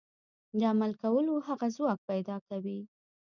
د عمل کولو هغه ځواک پيدا کوي.